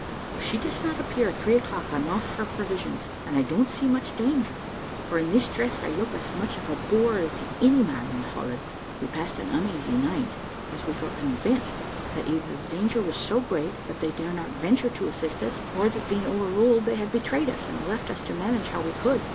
If she does not appear at three o'clock, I'm off for provisions, and I don't see much danger, for in this dress I look as much of a boor as any man in Holland." We passed an uneasy night, as we felt convinced either that the danger was so great that they dare not venture to assist us, or, that being over ruled, they had betrayed us, and left us to manage how we could.